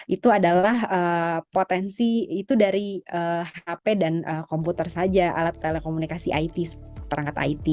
itu adalah potensi itu dari hp dan komputer saja alat telekomunikasi perangkat it